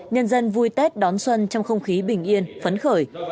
nhân dân vui tết đón xuân trong không khí bình yên phấn khởi